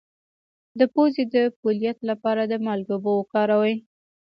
د پوزې د پولیت لپاره د مالګې اوبه وکاروئ